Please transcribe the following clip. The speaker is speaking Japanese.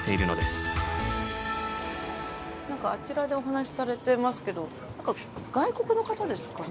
何かあちらでお話しされてますけど外国の方ですかね？